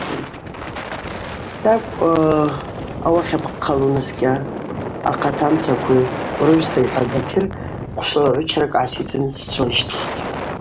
Тӏакӏв ауахь апххъала унаскӏьа, ахъатамцаквагьи урыгӏвста, – йхӏватӏ Бакьыр, хъвшвылагӏвычаракӏ гӏаситын сджвылищттӏ.